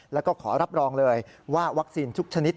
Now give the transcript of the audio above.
แล้วก็ขอรับรองเลยว่าวัคซีนทุกชนิด